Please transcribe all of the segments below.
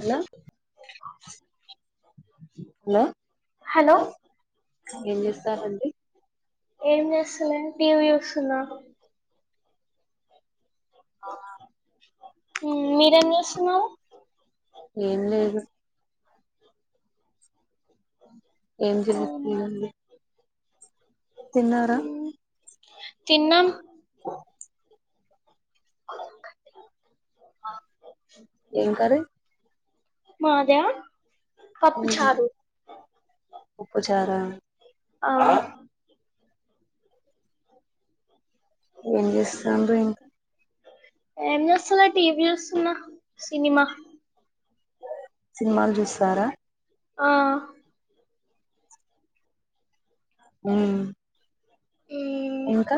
Hello hello hello ఏం చేస్తారంండి? ఏం చేస్తలే టీవీ చూస్తున్నా. ఆ నిర్మించేస్తున్నారు. ఏం లేదు ఏం చేయట్లదండి. తిన్నారా? తిన్నాం అకటి [unintelligible] ఏం కర్రీ? మాదా? పప్పు చారు. పప్పుచారా ఏం చేస్తాండ్రో ఏమో? ఏంస్తున్నా టీ వి చూస్తున్న సినిమా. సినిమాలు చూస్తారా? ఆ ఊ ఇంకా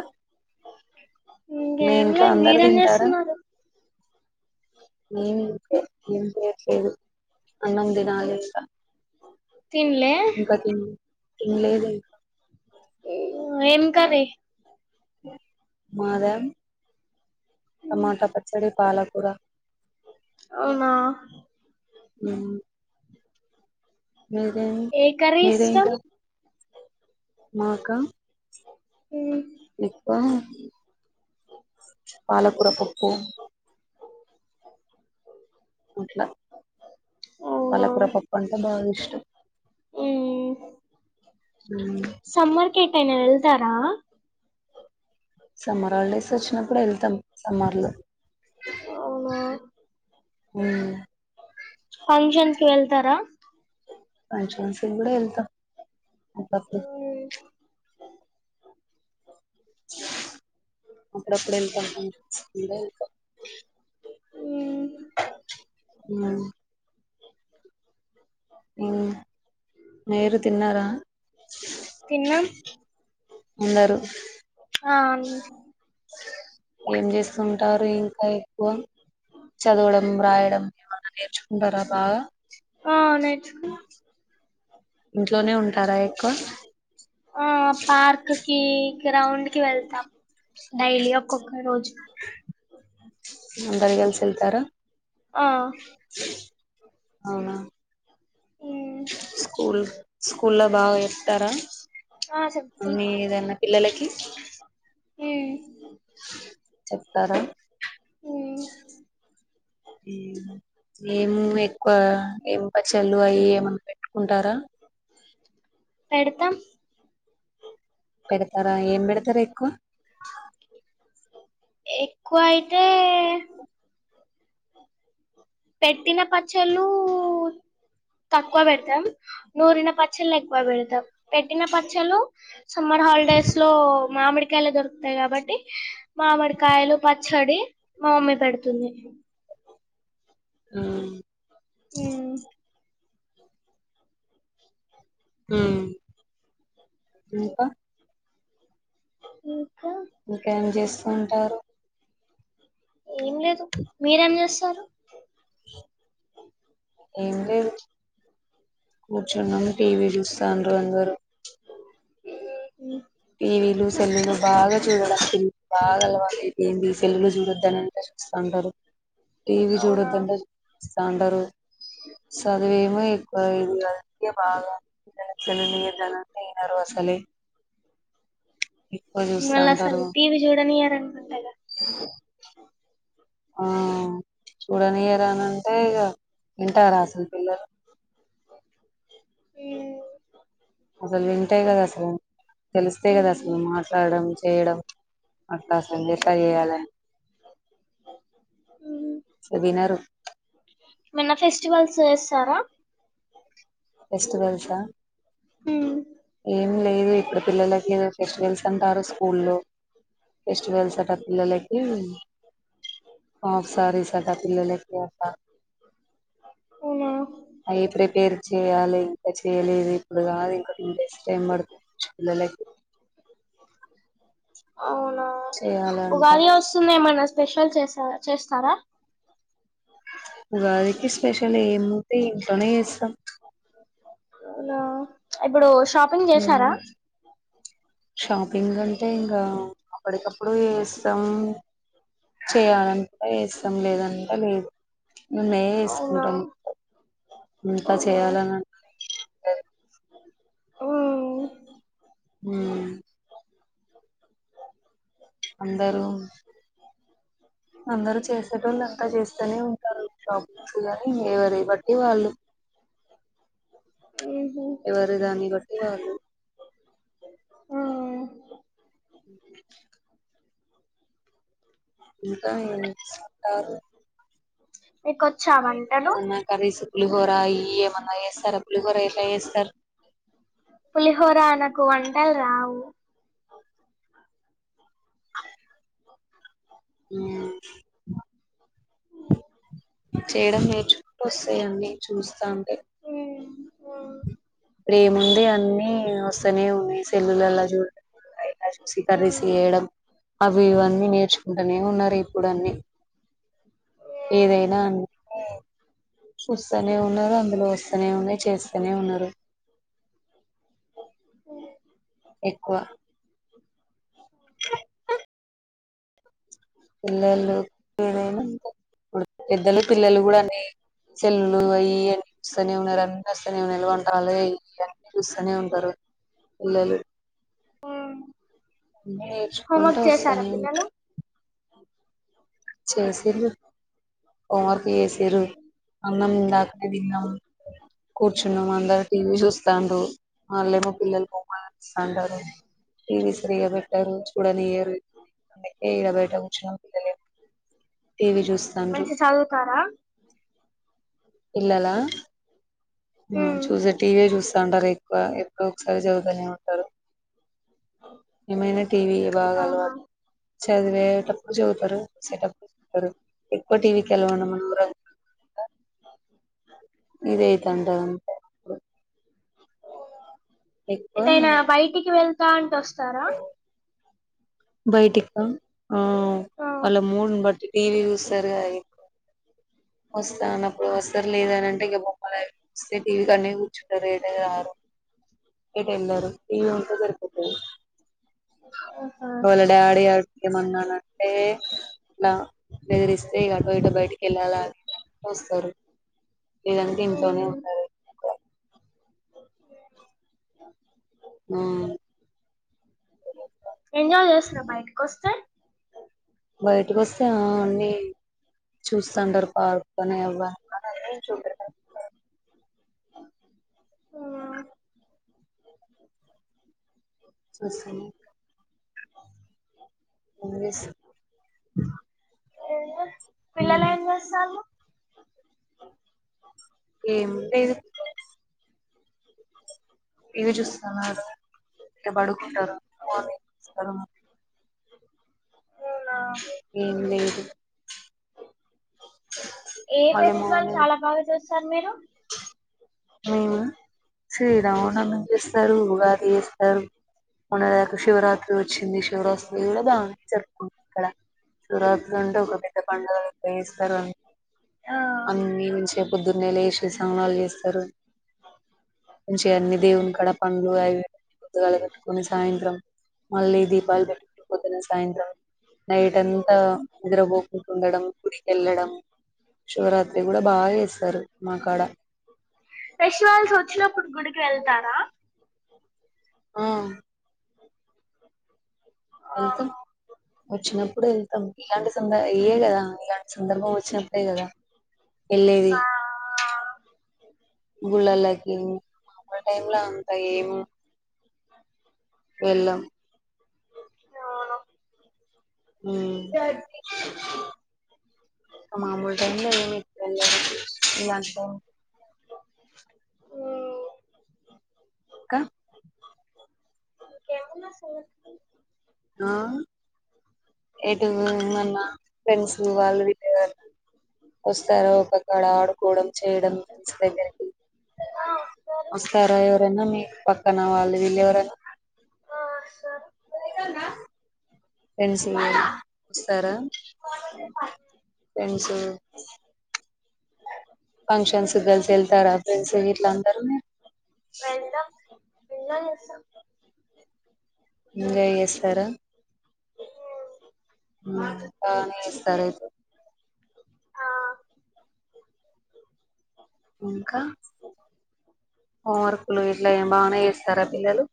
మీ ఇంకేంలే ఇంట్లో అందరు మీరేం చేస్తున్నారు నమి ఏం చేయట్లేదు అన్నం దినాలే ఇకా తిన్లే తిన్లేదు ఇంక ఏం కరి మాదా టమాటా పచ్చడి పాలకూర అవునా ఊ మీదేం ఏ కర్రీ మీదేం ఇష్టం కరి మాకా ఊ ఎక్కువ పాలకూర పప్పు అట్లా అవునా పాలకూర పప్పు అంటే బాగా ఇష్టం ఊ సమ్మర్కి ఎటైనా ఎళ్తారా సమ్మర్ హాలిడేస్ వచ్చినప్పుడు వెళ్తాం సమ్మర్ లో అవునా ఊ ఫంక్షన్ కి వెళ్తారా ఫంక్షన్స్ కూడా వెళ్తాం అప్పుడప్పుడు అప్పుడప్పుడు వెళ్తా ఫంక్షన్స్ కూడా వెళ్తా ఉ ఉ ఊ. మీరు తిన్నారా తిన్నాం అందరూ ఆ ఆన్ ఏం చేస్తుంటారు ఇంకా ఎక్కువ చదవడం రాయడం ఏమన్నా నేర్చుకుంటారా బాగా ఆ నేర్చుకు ఇంట్లోనే ఉంటారా ఎక్కువ ఆ పార్క్ కి గ్రౌండ్ కి వెళ్తాం డైలీ ఒక్కొక్క రోజు అందరిగల్సిఎల్తారా ఆ అవునా ఉమ్, స్కూల్ స్కూల్ లో బాగా చెప్తారా ఆ చెప్తం అన్ని ఏదైనా పిల్లలకి ఊ చెప్తారా ఉమ్, ఏం ఎక్కువ ఏం పచ్చడలు అవి ఏమన్నా పెట్టుకుంటారా పెడతాం పెడతరా ఏం పెడతరు ఎక్కువ ఎక్కువ అయితే పెట్టిన పచ్చల్లూ తక్కువ పెడతాం నూరిన పచ్చళ్లు ఎక్కువ పెడతాం పెట్టిన పచ్చళ్లు సమ్మర్ హాలిడేస్ లో మామిడి గల దొరుకుతాయి కాబట్టి మామిడికాయలు పచ్చడి మా మమ్మీ పెడుతుంది ఊ ఊ ఊ ఇంక ఇకా ఇంకేం చేస్తుంటారు ఏం లేదు మీరేం చేస్తారు ఏం లేదు కూర్చున్నా టీవీ చూస్తాను అందరు ఉమ్ టివీలు సెల్లులు బాగా చూడాల బాగా అలవాాల అతే ఏంది పెల్గులు చూడొద్దాని అంటే చూస్తా ఉంటారు టీవీ అవునా చూడద్దంటేండరు స చదివేమో ఎక్కువ బాగానికి చెలిందిద్దనంత ఇనరు ఆసలే మళ్ళసలు టీవి చూడనియరనుకుంట గా ఆ చూడనియరా అని అంటే ఇక వింటారా అసలు పిల్లలు ఉమ్ అసలు వింటే గా కదా అసలు తెలిస్తే కదా అసలు ఉమ్ మాట్లాడడం చేయడం అట్లా అసలు ఎట చేయాల వినరు మన్న ఫెస్టివల్స్ చేస్తారా ఫెస్టివల్సా ఉమ్ ఏం లేదు ఇప్పుడు పిల్లలకి ఏదో ఫెస్టివల్స్ అంటారు స్కూల్లో ఫెస్టివల్స్ అంటా పిల్లలకు ఆఫ్ సారి అట పిల్లలు అవునా అయి ప్రీపేర్ చేయాలి ఇంకా చెయలేదు ఇప్పుడు కాదు ఇంకా డ్రెస్ టైమ్ పడుతుంది పిల్లకి అవునా ఉగాది వస్తుంది ఏమన్నా స్పెషల్ చేస చేస్తారా ఉగాది కి స్పెషల్ ఏముే ఇంట్లోనే చేస్తాం అవున ఇప్పుడు షాపింగ్ చేసారా ఇంగ్ంటే ఇంకా అప్పడికప్పుడు చేస్తాం చేయాలంటె చేస్తాంలేదంటె లేదు ఉన్నయి అవునా వేసుకుంటాం ఇంత అవునా చేయాలని ఉమ్ ఉమ్ అందరూ అందరుూ చేసేటోళ్ళు అంతా చేస్తూనే ఉంటారు షాపింగ్ షూగానీ ఈవరి బట్టి వాళ్ళు ఉహు ఎవరిదాన్ని బట్టి వాళ్ళు ఆ ఉ ఇంకా ఏం చేస్తుంటారు మీకు వచ్చా వంటలు ఏమన్నా కర్రీస్ పులిహోర ఇ ఏమన్నా చేస్తారా పులిహోర ఎట్లా చేస్తారు పులిహోర అనకు వంటలు రావు ఉమ్ చేయడం నేర్చుకోస్తాయన్నీ చూస్తాంది ఉమ్ ఉమ్ ఎప్పుడేముది అన్ని వస్తూనే ఉన్నాయి సెల్లులలా చూడట కర్రీస్ ఉమ్ చేయడం అవి ఇవన్నీ నేర్చుకుంటూనే ఉన్నారు ఇప్పుడు అన్ని ఏదైనా అన్ చూస్తనే ఉన్నారు అందులో వస్తనే ఉన్నాయ్ చేస్తనే ఉన్నారు పోఓ ఎక్కువ పిల్లలు ఏదైనా ఇప్పుడు పెద్దలు పిల్లలు కూడా నే సెల్లులు అయి అని చూస్తూనే ఉన్నారు [unintelligible] చూస్తూనే ఉంటారు పిల్లలు ఉమ్ నేర్చుకుంట హోంవర్క్ వస్తానే చేసారా వుం పిల్లలు చేసిండ్రు హోం వర్క్ చేసిర్రు అన్నం ఇందకనే తిన్నాం కూర్చున్నా అంద టీ వి షోస్ స్తాం అ మ పిలలు పోస్తాంటారు టీవీ స్రీగా పెట్టారు చూడాలయరు ఏ ఇడ బయట కూర్చుం పిల్లలే మంచి చదువుతారా పిల్లల మా ఉమ్ చూస్తే టీవీ చూస్తాంటారు ఎక్కువ ఎప్పుడో ఒకసారి చదువు త్తానే ఉంటారు ఏమైనా టీవీ బాగా అలవా అవునా చదివేటప్పుడు చదువుతారు చూసేటప్పుడు చుత్తరు ఎక్కువ టీవీకి [unintelligible] అ గిది అయితాంటరు అంతే ఎక్కువ ఎటైనా బయటికి వెళ్తాంటే వస్తరా బయటిక ఆ ఆ వాల్ల మూడ్ ని బట్టి టీవీ చూస్తారు కదా ఎక్కువ వస్తా అన్నప్పుడు వస్తారు లేద అని అంటే ఇక బొమ్మలస్తే టీవీ కాన్నే కూర్చుంటారు ఏటకి రారు ఏటెళ్ళరు టీవీ వుంటే సరిపొతది ఆహా వాళ్ల డాడి ఏమన్నానంటే ఇలా బెదిరిస్తే ఇక అటో ఇటో బయటికి వెళ్ళాలా వస్తరు లేదంటే ఇంట్లోనే ఉమ్ ఉంటారు ఆవున్ ఎంజాయ్ చేస్తారా బయటకి వస్తే బయటకొస్తే ఆ అన్నీ చూస్తంటారు పార్కు అని అవ్వని ఉమ్ చూస్తనే ఇంక [unintelligible] మ్మ్ పిల్లలేం జేస్తాండ్రు ఏమ్ లేదు టీవి జుస్తన్నారు ఇంకా బడుకుంటారు [unintelligible] ఏమ్ లేదు ఏ మళ్ళీ ఫెస్టివల్ మార్నింగ్ చాలా బాగా చేస్తారు మీరు మేమ శ్రీరామనవమి చేస్తారు ఉగాది చేస్తారు మొన్న అది గాక శివరాత్రి వచ్చింది శివరాత్రి గూడా బాగా జరుపుకుంటారు ఇక్కడ శివరాత్రి అంటే ఒక పెద్ద పండుగ లెక్క చేస్తారు అం ఆ అన్ని వుంచే పొద్దున్నే లేచి స్నానాలు చేస్తారు మంచి అన్ని దేవుని కాడ పండ్లు అవి కొత్తగాలు కట్టుకొని సాయంత్రం మళ్ళీ దీపాలు పెట్టు [unintelligible] పొద్దున సాయంత్రం నైట్ అంతా నిద్ర పోకుండా వుండడం గుడికెళ్ళడం శివరాత్రి గూడా బాగా చేస్తారు మా కాడ ఫెస్టివల్స్ వచ్చినప్పుడు గుడికి వెళ్తారా ఆ ఆ ఎళ్తాం వచ్చినప్పుడు ఎళ్తాం ఇలాంటి సంద ఇయే కదా ఇలాంటి సందర్భం వచ్చినప్పుడే కదా వెళ్ళేది గుళ్ళల్లకి మామొల్ టైం లో అంతా ఏమి వెలామ్ అవును హామ్ [inaudible] మామూల్ టైంలో అంత ఎక్కువ ఏం ఉండదు మ్మ్. క ఇంకేమన్నా సంగతులు ఆ ఎటు మన్నా ఫ్రెండ్స్ వాళ్ళు వీలు ఎమన వస్తారో ఒక్కడ ఆడుకోవడం చేయడం ఫ్రెంస్ దగ్గరికి ఆ వస్తారు వస్తారా ఎవరైనా మీ ఇంటి పక్కన వాళ్ళు వీళ్ళు ఎవరైనా ఆ వస్తారు రెంస్ వస్తారుా ఫ్రెండ్సూ ఫంక్షన్స్ గలిసి ఎళ్తారా ఫ్రెండ్స్ గిట్ల అందరు స అసలు ఇంజాయ్ చేస్తార మ్మ్. ఉ బానే చేస్తారు అయితే ఆ ఇంకా హోంవర్కులు గిట్లా ఏం బాగానే చేస్తారా పిల్లలు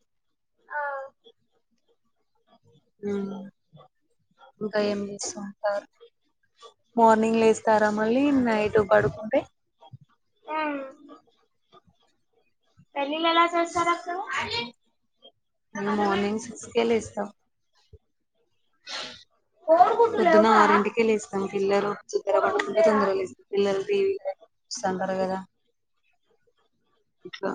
ఆ హామ్ ఇంకా ఏం చేస్తుంటారు మార్నింగ్ వస్తారా మళ్ళీ నైట్ పడుకుంటే హు చేస్తారు అక్కడ [inaudible] మేం మార్నింగ్ సిక్స్ లేస్తాం [inaudible] పొద్దున్న ఆరింటికే లాస్యం పిల్లలు తొందర పట్టుకుంటే తొందరగా లేస్తాం పిల్లలు టీవీ సండరగధ ఎట్ల